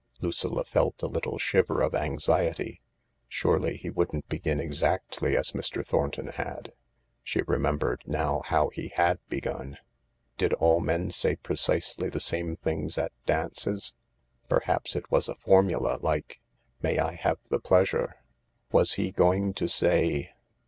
Lucilla felt a little shiver of anxiety. Surely he wouldn't begin exactly as Mr. Thornton had. (She remembered now how he had begun,) Did all men say precisely the same things at dances ? Perhaps it was a formula, like, " May I have the pleasure ?" Was he going to say